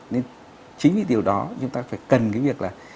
nên chính vì điều đó chúng ta phải cần cái việc là